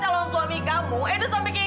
tante akan menuntut balas